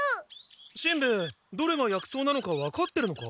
しんべヱどれが薬草なのか分かってるのか？